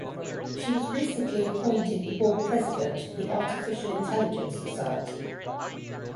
She was recently appointed the board president for the Artificial Intelligence Society.